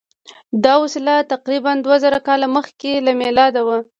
دا وسیله تقریبآ دوه زره کاله مخکې له میلاده وه.